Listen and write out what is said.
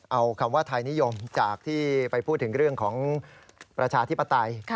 เอาคำว่าไทยนิยมจากที่ไปพูดถึงเรื่องของประชาธิปไตย